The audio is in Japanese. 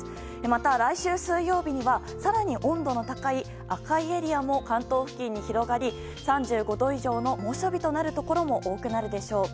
また、来週水曜日には更に温度の高い赤いエリアも関東付近に広がり３５度以上の猛暑日となるところも多くなるでしょう。